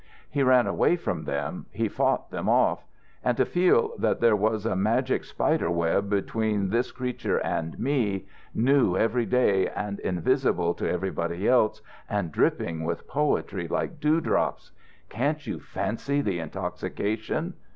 He ran away from them, he fought them off. And to feel that there was a magic spiderweb between this creature and me, new every day and invisible to everybody else and dripping with poetry like dewdrops! Can't you fancy the intoxication?